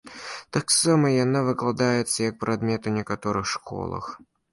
Таксама яна выкладаецца як прадмет у некаторых школах.